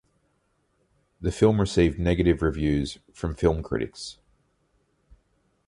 The film received negative reviews from film critics.